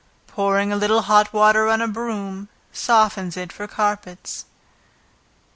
Pouring a little hot water on a broom, softens it for carpets.